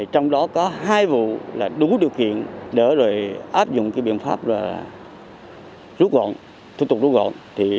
trong đó có hai vụ là đủ điều kiện để rồi áp dụng biện pháp rút gọn thủ tục rút gọn